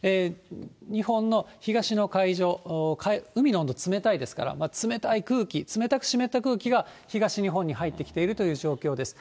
日本の東の海上、海の温度冷たいですから、冷たい空気、冷たく湿った空気が東日本に入ってきているという状況です。